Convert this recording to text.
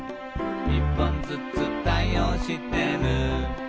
「１本ずつ対応してる」